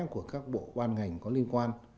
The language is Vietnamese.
của các bộ quan ngành có liên quan